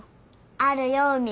あるよ海。